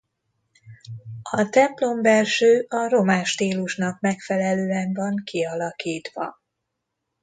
A templombelső a román stílusnak megfelelően van kialakítva.